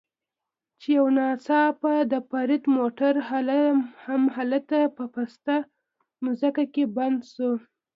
چې یو ناڅاپه د فرید موټر همالته په پسته ځمکه کې بند شو.